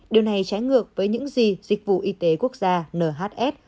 điều này trái ngược với những gì dịch vụ y tế quốc gia nhs